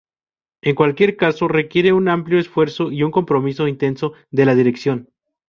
En cualquier caso requiere un amplio esfuerzo y un compromiso intenso de la dirección.